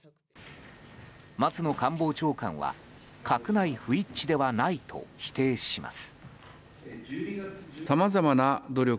松野官房長官は閣内不一致ではないと否定します。